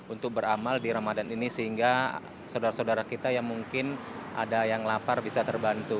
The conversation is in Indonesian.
untuk beramal di ramadan ini sehingga saudara saudara kita yang mungkin ada yang lapar bisa terbantu